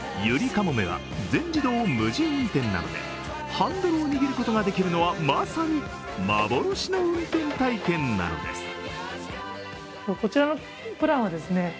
ゆりかもめは全自動、無人運転などでハンドルを握ることができるのは、まさに幻の運転体験なのです。